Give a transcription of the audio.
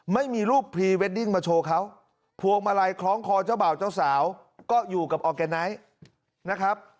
ไม่มีรูปพรีเวดดิ้งมาโชว์เขาพวงมาลัยคล้องคอเจ้าบ่าวเจ้าสาวก็อยู่กับออร์แกไนท์นะครับ